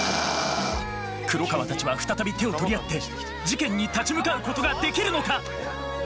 黒川たちは再び手を取り合って事件に立ち向かうことができるのか。